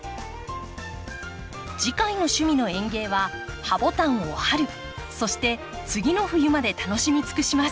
次回の「趣味の園芸」はハボタンを春そして次の冬まで楽しみつくします。